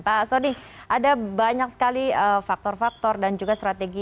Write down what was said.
pak soni ada banyak sekali faktor faktor dan juga strategi